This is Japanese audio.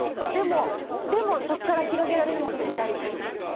でも、そこから広げられるものは絶対あります。